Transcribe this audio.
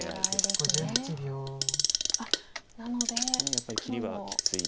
やっぱり切りはきついと。